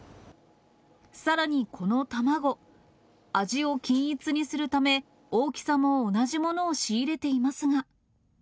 さらにこの卵、味を均一にするため、大きさも同じものを仕入れていますが。